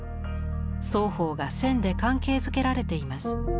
双方が線で関係づけられています。